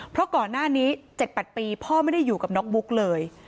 เพราะก่อนหน้านี้๗๘ปีพ่อไม่ได้อยู่กับน้องบุ๊กเลย